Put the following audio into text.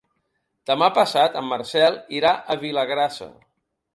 Demà passat en Marcel irà a Vilagrassa.